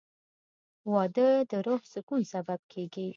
• واده د روح د سکون سبب کېږي.